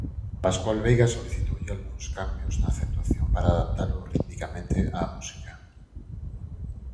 Pascual Veiga solicitoulle algúns cambios na acentuación para adaptalo ritmicamente á música.